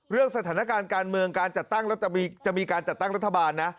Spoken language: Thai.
เรื่องสถานการณ์การเมืองการจัดตั้งแล้วจะมีการจัดตั้งรัฐบาลนะ